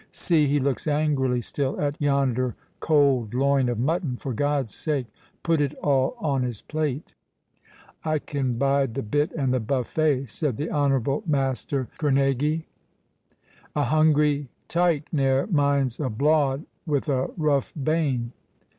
—See, he looks angrily still at yonder cold loin of mutton—for God's sake put it all on his plate!" "I can bide the bit and the buffet," said the honourable Master Kerneguy—"a hungry tike ne'er minds a blaud with a rough bane."